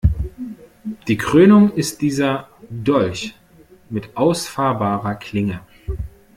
Die Krönung ist dieser Dolch mit ausfahrbarer Klinge.